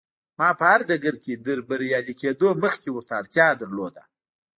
ما په هر ډګر کې تر بريالي کېدو مخکې ورته اړتيا درلوده.